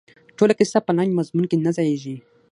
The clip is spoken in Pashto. ټوله کیسه په لنډ مضمون کې نه ځاییږي.